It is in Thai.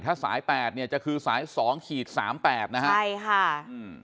ถ้าสายแปดเนี้ยจะคือสายสองขีดสามแปดนะฮะใช่ค่ะอืม